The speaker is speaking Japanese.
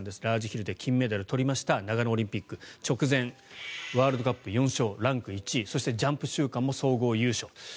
ラージヒルで金メダルを取りました長野オリンピック直前ワールドカップ４勝ランク１位そしてジャンプ週間も総合優勝。